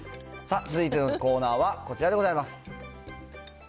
さあ、続いてのコーナーはこちらでございます。